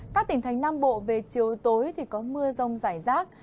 các tỉnh thành nam bộ về chiều tối thì có mưa rông giải rác